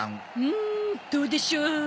うんどうでしょう。